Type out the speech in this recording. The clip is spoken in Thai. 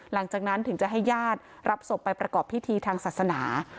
หลังจากนั้นถึงจะให้ญาติรับศพไปประกอบพิธีทางศาสนา